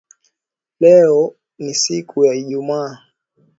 Leo ni siku ya ijumaa.